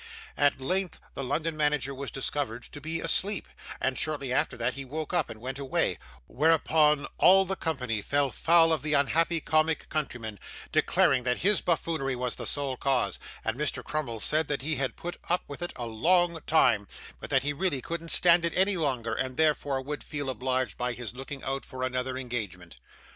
At length the London manager was discovered to be asleep, and shortly after that he woke up and went away, whereupon all the company fell foul of the unhappy comic countryman, declaring that his buffoonery was the sole cause; and Mr. Crummles said, that he had put up with it a long time, but that he really couldn't stand it any longer, and therefore would feel obliged by his looking out for another engagement.